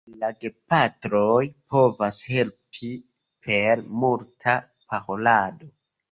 La gepatroj povas helpi per multa parolado.